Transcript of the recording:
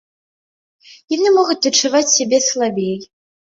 Яны могуць адчуваць сябе слабей.